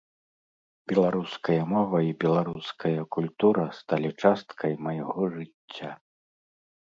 Беларуская мова і беларуская культура сталі часткай майго жыцця.